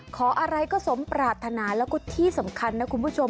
ขออะไรก็สมปรารถนาแล้วก็ที่สำคัญนะคุณผู้ชม